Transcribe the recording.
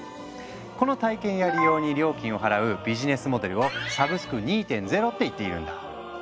この体験や利用に料金を払うビジネスモデルを「サブスク２．０」って言っているんだ。